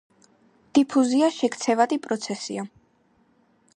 დიფუზია შექცევადი პროცესია.